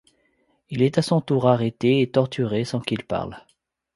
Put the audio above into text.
Il est à son tour arrêté et torturé sans qu'il parle.